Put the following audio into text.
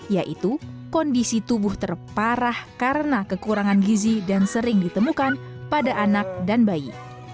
yaitu kondisi tubuh terparah karena kekurangan gizi dan sering ditemukan pada anak dan bayi